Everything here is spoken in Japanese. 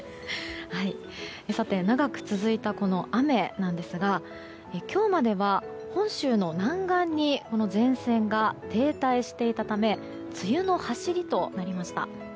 さて、長く続いた雨なんですが今日までは本州の南岸に前線が停滞していたため梅雨の走りとなりました。